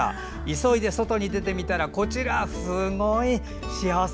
急いで外に出てみたらこちら、すごい。